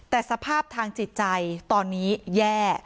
แต่สภาพทางจิตใจตอนนี้แย่